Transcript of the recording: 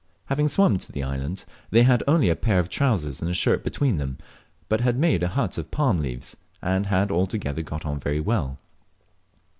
Having swum to the island, they had only a pair of trousers and a shirt between them, but had made a hut of palm leaves, and had altogether got on very well.